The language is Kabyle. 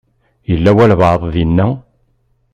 Yella walebɛaḍ dinna?